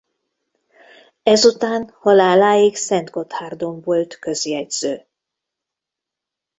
Ezután haláláig Szentgotthárdon volt közjegyző.